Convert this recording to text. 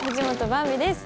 ばんびです！